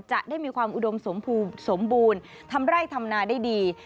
จะได้มีความอุดมสมบูรณ์ทำไร่ทำนาได้ดี